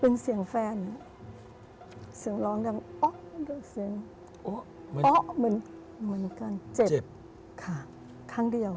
เป็นเสียงแฟนเสียงร้องดังเสียงเหมือนเหมือนกันเจ็บค่ะครั้งเดียว